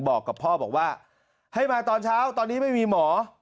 บอกกับพ่อบอกว่าให้มาตอนเช้าตอนนี้ไม่มีหมอ